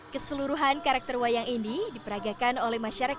keseluruhan karakter wayangnya dikenal sebagai warga kaskeraton jogja night carnival